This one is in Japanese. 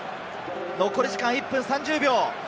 残り時間１分３０秒。